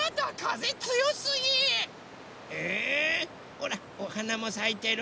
ほらおはなもさいてる。